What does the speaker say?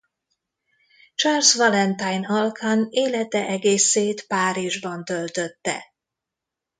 Charles-Valentin Alkan élete egészét Párizsban töltötte.